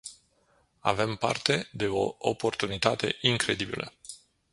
Avem parte de o oportunitate incredibilă.